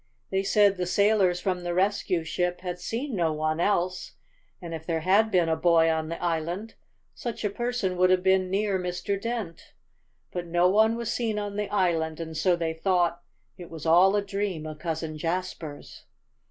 They said the sailors from the rescue ship had seen no one else, and if there had been a boy on the island such a person would have been near Mr. Dent. But no one was seen on the island, and so they thought it was all a dream of Cousin Jasper's."